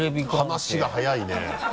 話が早いね。